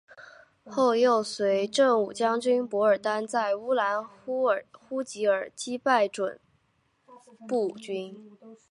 后又随振武将军傅尔丹在乌兰呼济尔击败准部军。